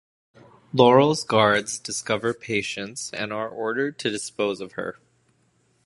Laurel's guards discover Patience and are ordered to dispose of her.